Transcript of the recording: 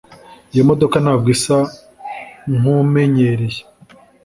iyo modoka ntabwo isa nkumenyereye